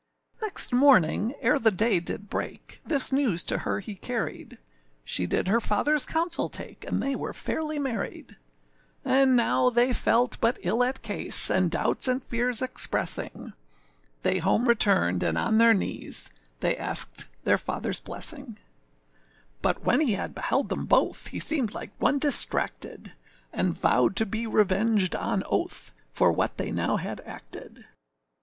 â Next morning, ere the day did break, This news to her he carried; She did her fatherâs counsel take And they were fairly married, And now they felt but ill at case, And, doubts and fears expressing, They home returned, and on their knees They asked their fatherâs blessing, But when he had beheld them both, He seemed like one distracted, And vowed to be revenged on oath For what they now had acted.